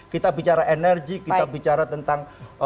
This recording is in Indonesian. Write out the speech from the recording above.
kita bicara energi kita bicara tentang